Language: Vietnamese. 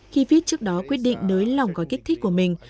khi fit trước đó quyết định đối lòng có kích thích của mình